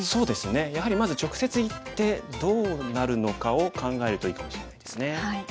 やはりまず直接いってどうなるのかを考えるといいかもしれないですね。